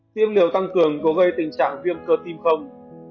tiêm liều tăng cường có gây tình trạng viêm cơ tim không